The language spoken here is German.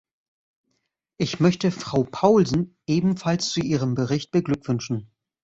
Ich möchte Frau Paulsen ebenfalls zu ihrem Bericht beglückwünschen.